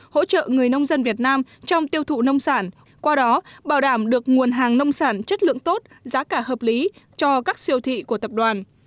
hỗ trợ người nông dân việt nam trong tiêu thụ nông sản qua đó bảo đảm được nguồn hàng nông sản chất lượng tốt giá cả hợp lý cho các siêu thị của tập đoàn